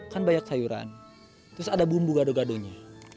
kan banyak sayuran terus ada bumbu gado gadonya